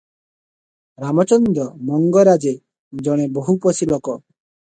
ରାମଚନ୍ଦ୍ର ମଙ୍ଗରାଜେ ଜଣେ ବହୁପୋଷୀ ଲୋକ ।